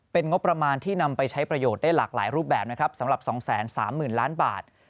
เป็นงบประมาณที่นำไปใช้ประโยชน์ได้หลากหลายรูปแบบนะครับสำหรับ๒๓๐๐๐ล้านบาท